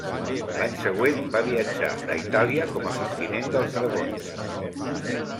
L'any següent va viatjar a Itàlia, com a subtinent dels dragons.